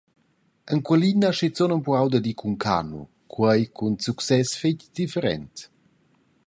Enqualin ha schizun empruau d’ir cun canu, quei cun success fetg different.